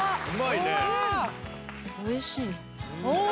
おいしい。